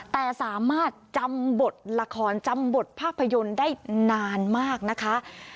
แต่สามารถจำบทละครจำบทภาพยนตร์ได้นานมากนะคะ